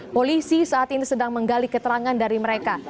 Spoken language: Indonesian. polisi saat ini sedang menggali keterangan dari mereka